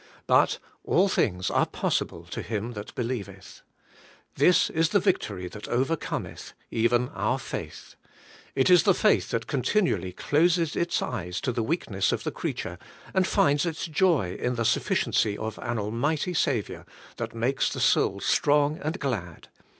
But *all things are possible to him that believeth. ' *This is the victory that overcometh, even our faith.' It is the faith that continually closes its eyes to the weakness of the creature, and finds its joy in the sufficiency of an Almighty Saviour, that makes the soul strong and glad.